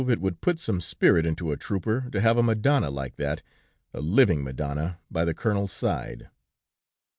It would put some spirit into a trooper to have a Madonna like that, a living Madonna, by the colonel's side."